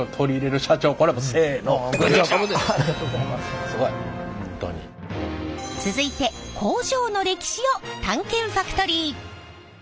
続いて工場の歴史を探検ファクトリー。